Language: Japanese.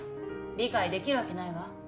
理解できるわけないわ。